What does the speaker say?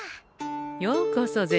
ようこそ銭